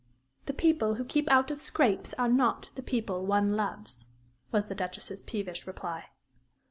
"The people who keep out of scrapes are not the people one loves," was the Duchess's peevish reply.